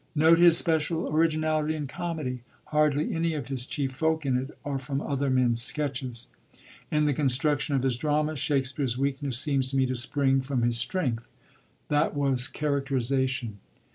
(Note his special originality in comedy. Hardly any of his chief folk in it are from other men's sketches.) In the construction of his dramas, Shakspere's weakness seems to me to spring from his strength. 170 SHAKSPEKE'S CHARACTERISATION That was characterisation.